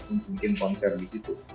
untuk bikin konser di situ